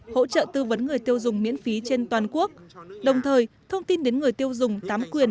hỗ trợ tư vấn người tiêu dùng miễn phí trên toàn quốc đồng thời thông tin đến người tiêu dùng tám quyền